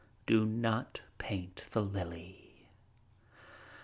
Do not paint the lily.